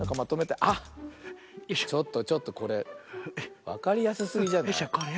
あっちょっとちょっとこれわかりやすすぎじゃない？